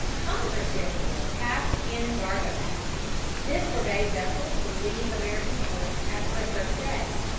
Congress therefore passed an Embargo Act. This forbade vessels to leave American ports after a certain day.